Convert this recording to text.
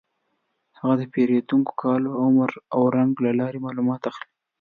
هغه د پیریدونکو د کالو، عمر او رنګ له لارې معلومات اخلي.